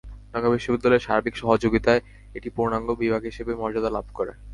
ঢাকা বিশ্ববিদ্যালয়ের সার্বিক সহযোগিতায় এটি পূর্ণাঙ্গ বিভাগ হিসেবে মর্যাদা লাভ করে।